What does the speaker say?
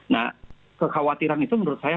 nah kekhawatiran itu menurut saya